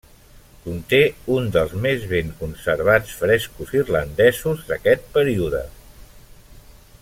Conté un dels més ben conservats frescos irlandesos d'aquest període.